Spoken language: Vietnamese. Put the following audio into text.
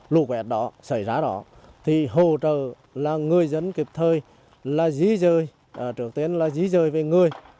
lưu quẹt ra ngập bao lúc năm giờ sáng